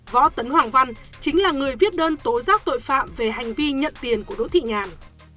võ tấn hoàng văn chính là người viết đơn tố giác tội phạm về hành vi nhận tiền của đỗ thị nhàn